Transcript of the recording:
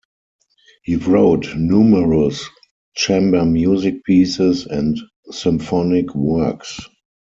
He wrote numerous chamber music pieces and symphonic works.